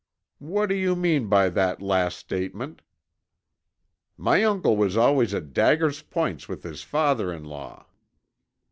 "What do you mean by that last statement?" "My uncle was always at dagger's points with his father in law."